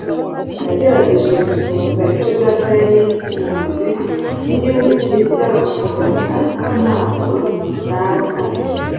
Nagerageje gusohoza ibyo data yari yiteze. Nigihugu cyiza gusura, ariko ntabwo naba mpari.